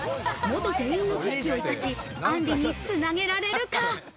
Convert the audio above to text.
元店員の知識を生かし、あんりにつなげられるか？